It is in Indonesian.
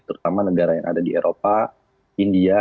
terutama negara yang ada di eropa india